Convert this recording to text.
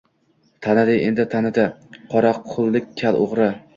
Tanidi endi tanidi qoraquroqlik kal o‘g‘ri